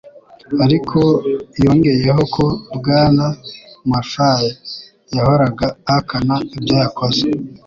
Ariko yongeyeho ko Bwana Murphy yahoraga ahakana ibyo yakoze